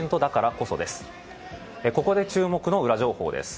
ここで注目のウラ情報です。